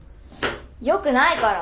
よくないから。